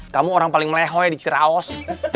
kamu orang paling melehoi di cirawas